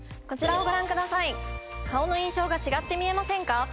こちらをご覧ください顔の印象が違って見えませんか？